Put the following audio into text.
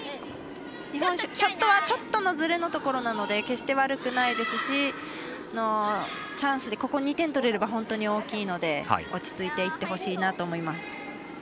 日本、ショットはちょっとずれのところなので決して悪くないですしチャンスで、ここ２点取れれば本当に大きいので落ち着いていってほしいなと思います。